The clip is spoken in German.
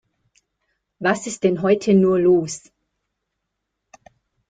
Was ist denn heute nur los?